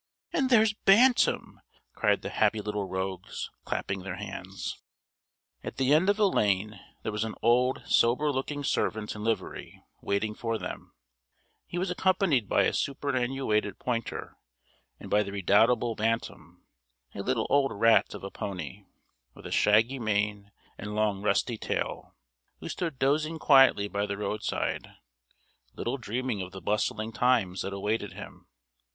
and there's Bantam!" cried the happy little rogues, clapping their hands. At the end of a lane there was an old sober looking servant in livery waiting for them: he was accompanied by a superannuated pointer, and by the redoubtable Bantam, a little old rat of a pony, with a shaggy mane and long rusty tail, who stood dozing quietly by the roadside, little dreaming of the bustling times that awaited him.